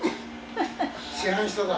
知らん人だ。